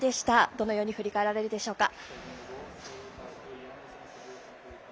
どのように振り返られるでしょうか？